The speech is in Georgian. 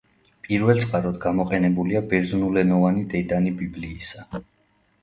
პირველწყაროდ გამოყენებულია ბერძნულენოვანი დედანი ბიბლიისა.